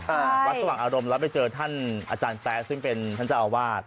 วัดสว่างอารมณ์แล้วไปเจอท่านอาจารย์แป๊ซึ่งเป็นท่านเจ้าอาวาส